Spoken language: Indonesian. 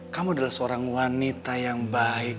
kamu adalah seorang wanita yang baik